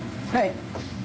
はい。